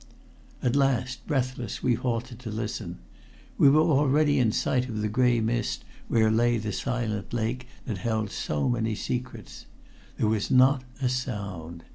At last, breathless, we halted to listen. We were already in sight of the gray mist where lay the silent lake that held so many secrets. There was not a sound.